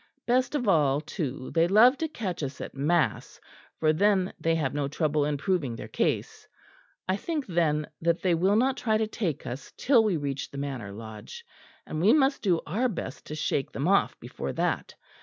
Best of all, too, they love to catch us at mass for then they have no trouble in proving their case. I think then that they will not try to take us till we reach the Manor Lodge; and we must do our best to shake them off before that.